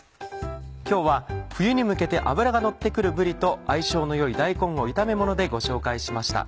今日は冬に向けて脂がのって来るぶりと相性のよい大根を炒めものでご紹介しました。